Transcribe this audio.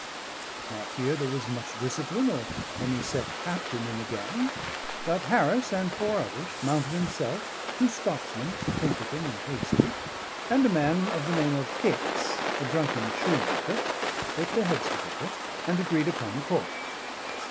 I could not hear there was much discipline or any set captain in the gang; but Harris and four others, Mountain himself, two Scotsmen Pinkerton and Hastie and a man of the name of Hicks, a drunken shoemaker, put their heads together and agreed upon the course.